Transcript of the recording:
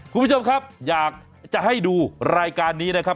คุณผู้ชมครับอยากจะให้ดูรายการนี้นะครับ